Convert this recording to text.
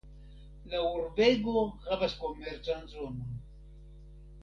La urbego havas komercan zonon.